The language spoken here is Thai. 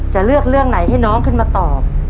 จะเลือกเรื่องไหนให้น้องขึ้นมาตอบ